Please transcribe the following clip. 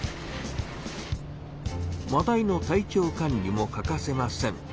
マダイの体調管理も欠かせません。